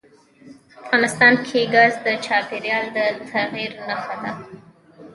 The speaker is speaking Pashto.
افغانستان کې ګاز د چاپېریال د تغیر نښه ده.